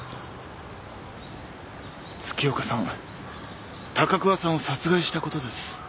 月岡さん高桑さんを殺害したことです。